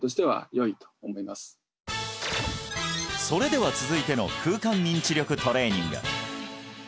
それでは続いての空間認知力トレーニング